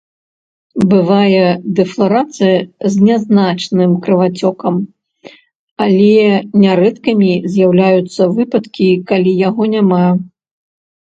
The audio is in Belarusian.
Бывае дэфларацыя з нязначным крывацёкам, але нярэдкімі з'яўляюцца выпадкі, калі яго няма.